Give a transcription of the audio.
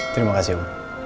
terima kasih om